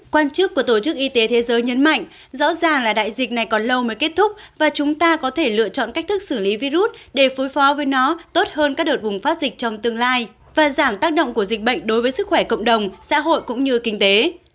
quan chức của tổ chức y tế thế giới nhấn mạnh rõ ràng là đại dịch này còn lâu mới kết thúc và chúng ta có thể lựa chọn cách thức xử lý virus để phối phó với nó tốt hơn các đợt bùng phát dịch trong tương lai và giảm tác động của dịch bệnh đối với sức khỏe cộng đồng xã hội cũng như kinh tế